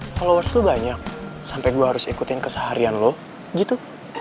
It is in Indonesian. followers lo banyak sampai gue harus ikutin keseharian lo gitu